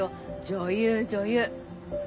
女優女優。